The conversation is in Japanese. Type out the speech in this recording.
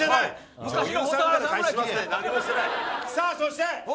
さあそして。